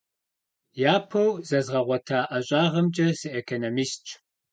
Япэу зэзгъэгъуэта ӀэщӀагъэмкӀэ сыэкономистщ.